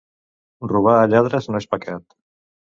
Robar a lladres no és pecat.